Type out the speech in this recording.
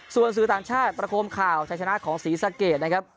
ส่วนสื่อต่างชาติประคมข่าวชัยชนะของศรีสะเกดนะครับ